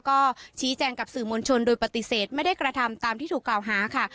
ก็ชี้แจงกับสื่อมวลชนโดยปฏิเสธไม่ได้กระทำตามที่ถูกกล่าวหาค่ะ